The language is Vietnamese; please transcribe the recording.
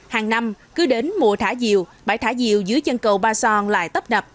hàng năm cứ đến mùa thả diều bãi thả diều dưới chân cầu ba son lại tấp nập